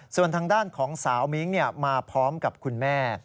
ส่วนทางด้านของสาวมิ้งมาพร้อมกับคุณแม่